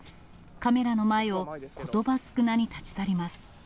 カメラの前をことば少なに立ち去ります。